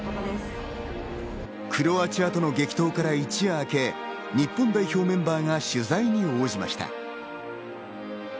クロアチアとの激闘から一夜明け、日本代表メンバーが取材に応じました。